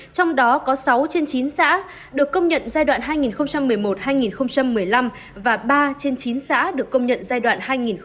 trong đó có sáu trên chín xã được công nhận giai đoạn hai nghìn một mươi một hai nghìn một mươi năm và ba trên chín xã được công nhận giai đoạn hai nghìn một mươi sáu hai nghìn một mươi năm